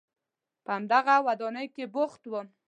په همدغه ودانۍ کې بوخت وم.